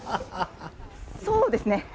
そうですね。